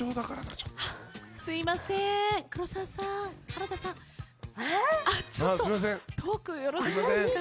ちょっとトークよろしいですか？